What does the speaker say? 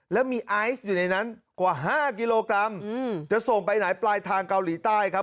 แล้วมีไอซ์อยู่ในนั้นกว่า๕กิโลกรัมจะส่งไปไหนปลายทางเกาหลีใต้ครับ